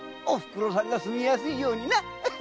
お袋さんが住みやすいようにな！